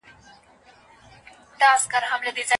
د عثماني پای يو مهم بدلون و.